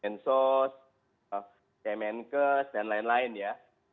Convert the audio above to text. mensos kemenkes dan lain lain ya